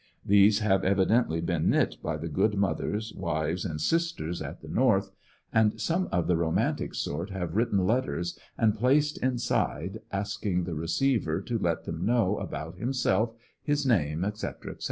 These have evidently been knit by the good mothers, wives and sisters at the North, and some of the romantic sort have written letters and placed inside, asking the ANDEBSONYILLE DIARY. 19 receiver to let them know about himself, his name, etc , etc.